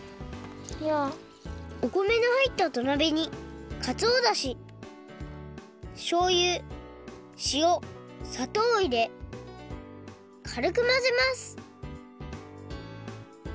お米のはいったどなべにかつおだししょうゆしおさとうをいれかるくまぜます